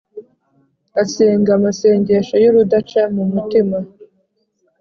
asenga amasengesho yurudaca mumutima